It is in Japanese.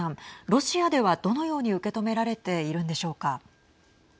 ロシアではどのように受け止められているんでしょうか。